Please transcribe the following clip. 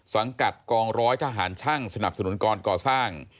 สังกัดกองร้อยทหารช่างสนับสนุนกรก่อสร้าง